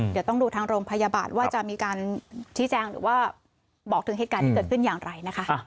เดี๋ยวต้องดูทางโรงพยาบาลว่าจะมีการชี้แจงหรือว่าบอกถึงเหตุการณ์ที่เกิดขึ้นอย่างไรนะคะ